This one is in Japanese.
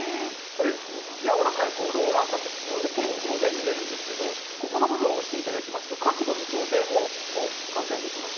やわらかいローラーになっているんですがペンキみたいに塗れるんですけどこの部分を押すと角度の調整も簡単にできます。